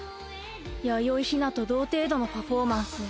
弥生ひなと同程度のパフォーマンス。